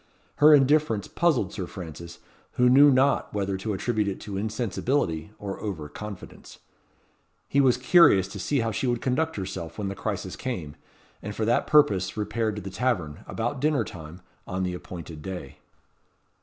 Her indifference puzzled Sir Francis, who knew not whether to attribute it to insensibility or over confidence. He was curious to see how she would conduct herself when the crisis came; and for that purpose repaired to the tavern, about dinner time, on the appointed day.